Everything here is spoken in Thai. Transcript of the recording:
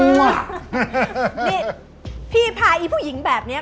นี่พี่พายผู้หญิงแบบนี้